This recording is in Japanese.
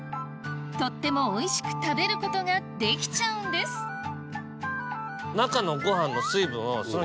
とってもおいしく食べることができちゃうんです中の。